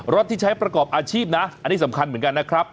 ที่ใช้ประกอบอาชีพนะอันนี้สำคัญเหมือนกันนะครับ